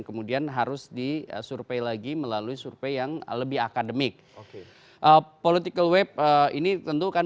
kemudian harus di survei lagi melalui survei yang lebih akademik oke political web ini tentukan